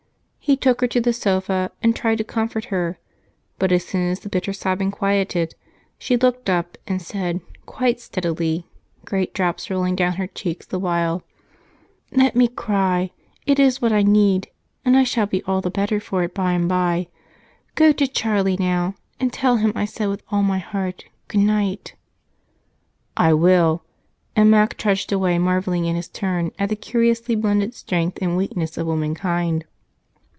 He took her to the sofa and tried to comfort her, but as soon as the bitter sobbing quieted she looked up and said quite steadily, great drops rolling down her cheeks the while: "Let me cry it is what I need, and I shall be all the better for it by and by. Go to Charlie now and tell him I said with all my heart, 'Good night!'? "I will!" And Mac trudged away, marveling in his turn at the curiously blended strength and weakness of womankind.